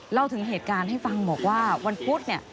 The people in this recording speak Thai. เล่าถึงเหตุการณ์ให้ฟังบอกว่าวันพุธเนี่ย